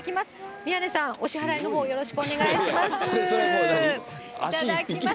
宮根さん、お支払いのほう、よろしくお願いします。